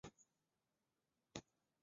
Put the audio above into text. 噶玛兰周刊为宜兰培养了多位人才。